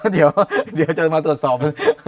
เดี๋ยวจะมาตรวจสอบ